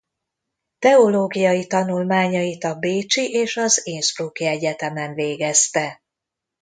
Teológiai tanulmányait a bécsi és az innsbrucki egyetemen végezte.